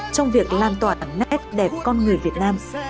trong việc lan tỏa nét đẹp con người việt nam